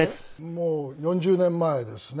もう４０年前ですね。